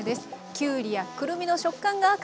きゅうりやくるみの食感がアクセント。